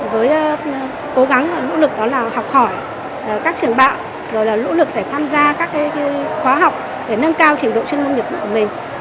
với cố gắng và nỗ lực đó là học hỏi các trường bạo rồi là nỗ lực để tham gia các khóa học để nâng cao trình độ chuyên môn nghiệp vụ của mình